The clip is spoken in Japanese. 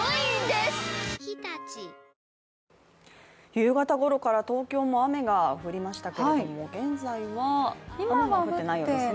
夕方ごろから東京も雨が降りましたけれども現在は、雨は降っていないようですね。